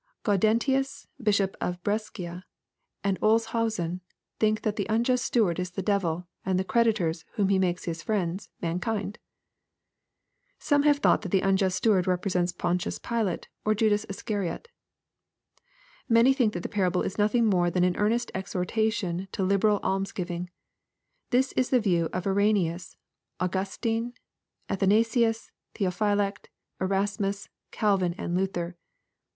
Gaudentius, Bishop of Brescia, and Olshausen think that the unjust steward is the devil, and the creditors, whom he makes his friends, mankind. Some have thought that the unjust steward represents Pontius Pilate or Judas Iscariot Many think that the parable is nothing more than an earnest exhortation to liberal almsgiving. This is the view of Irenaeus, Aufi^tine, Athanasius, Theophylact, Erasmus, Calvin, and Luther.